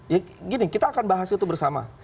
ya gini kita akan bahas itu bersama